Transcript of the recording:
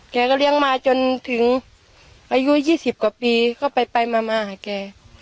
แกก็เลี้ยงมาจนถึงอายุยี่สิบกว่าปีก็ไปไปมามาหาแก